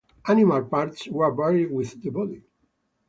Animal parts were buried with the body.